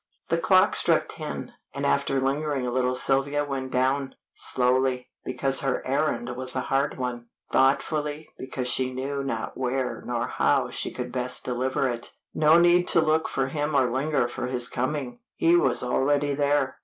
The clock struck ten, and after lingering a little Sylvia went down. Slowly, because her errand was a hard one; thoughtfully, because she knew not where nor how she could best deliver it. No need to look for him or linger for his coming; he was already there.